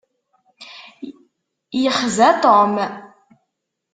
Yexza Tom.